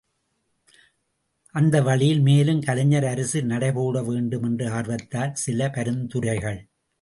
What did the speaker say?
அந்த வழியில் மேலும் கலைஞர் அரசு நடைபோடவேண்டும் என்ற ஆர்வத்தால் சில பரிந்துரைகள்!